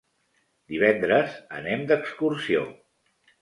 Divendres anem d'excursió.